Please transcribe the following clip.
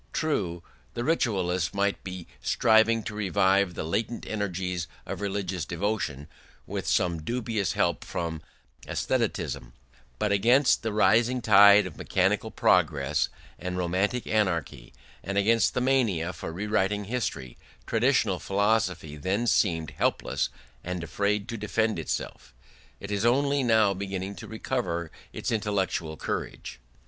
True, the ritualists might be striving to revive the latent energies of religious devotion, with some dubious help from aestheticism: but against the rising tide of mechanical progress and romantic anarchy, and against the mania for rewriting history, traditional philosophy then seemed helpless and afraid to defend itself: it is only now beginning to recover its intellectual courage.